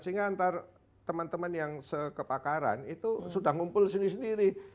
sehingga antara teman teman yang sekepakaran itu sudah ngumpul sendiri sendiri